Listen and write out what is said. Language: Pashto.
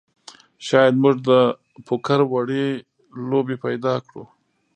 شاید موږ د پوکر وړې لوبې پیدا کړو